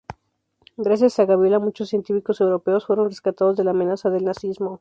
Gracias a Gaviola muchos científicos europeos fueron rescatados de la amenaza del nazismo.